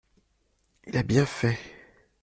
Il a bien fait !…